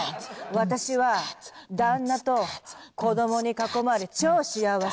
「私は旦那と子供に囲まれ超幸せ」